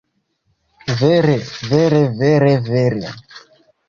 Vere, vere vere vere...